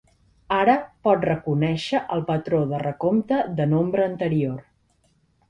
Ara pot reconèixer el patró de recompte de nombre anterior.